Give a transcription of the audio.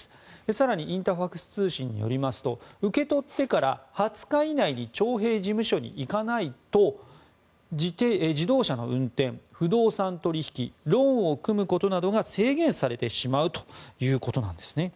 更に、インタファクス通信によりますと受け取ってから２０日以内に徴兵事務所に行かないと自動車の運転、不動産取引ローンを組むことなどが制限されてしまうということなんですね。